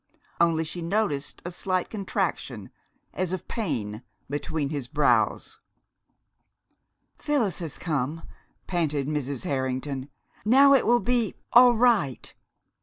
Only she noticed a slight contraction, as of pain, between his brows. "Phyllis has come," panted Mrs. Harrington. "Now it will be all right.